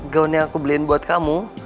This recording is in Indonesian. gaun yang aku beliin buat kamu